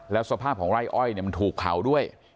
แล้วสภาพของไร่อ้อยมันถูกเผาด้วย